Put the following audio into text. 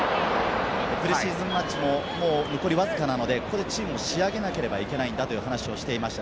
プレシーズンマッチも残りわずかなので、ここでチームを仕上げなければいけないんだという話をしていました。